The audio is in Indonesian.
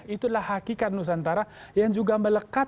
itulah hakikat nusantara yang juga melekat